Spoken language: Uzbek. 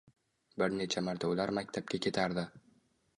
Bir necha marta ular maktabga ketardi.